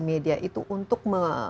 media itu untuk